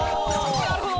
なるほど！